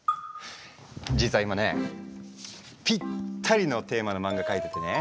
実は今ねぴったりのテーマの漫画描いててね。